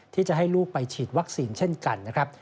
ที่จะให้ลูกไปฉีดวัคซีนเช่นกันนะครับ